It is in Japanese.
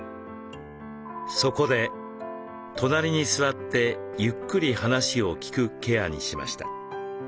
そこで「隣に座ってゆっくり話を聴く」ケアにしました。